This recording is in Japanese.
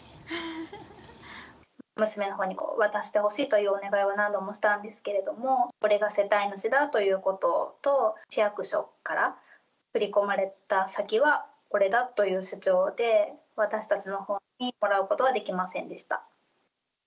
娘のほうに渡してほしいというお願いを何度もしたんですけれども、俺が世帯主だということと、市役所から振り込まれた先は俺だという主張で、私たちのほうにもらうことはできませんでした。